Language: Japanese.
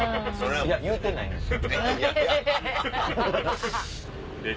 いや言うてないんですよ。